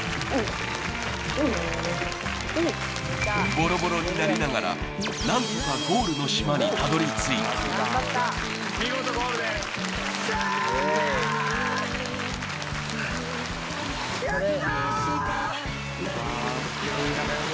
ボロボロになりながら何とかゴールの島にたどり着いたしゃーっ！